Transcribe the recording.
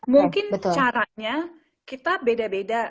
mungkin caranya kita beda beda